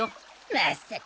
まっさか！